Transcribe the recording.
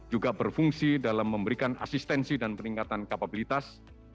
juga berfungsi dalam memberikan asistensi dan peningkatan kapabilitas